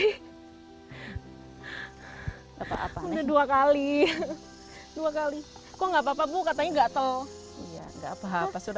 iya nggak apa apa sudah biasa